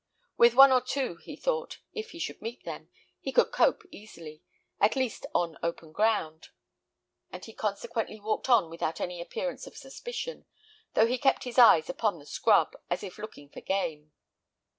With one or two, he thought, if he should meet them, he could cope easily, at least on open ground; and he consequently walked on without any appearance of suspicion, though he kept his eyes upon the scrub, as if looking for game.